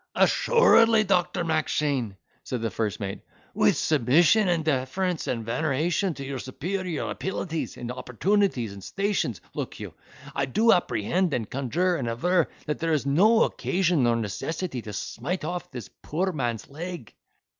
"Assuredly, Doctor Mackshane," said the first mate, "with submission, and deference, and veneration, to your superior apilities, and opportunities, and stations, look you, I do apprehend, and conjure, and aver, that there is no occasion nor necessity to smite off this poor man's leg."